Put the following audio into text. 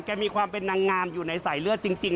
มีความเป็นนางงามอยู่ในสายเลือดจริง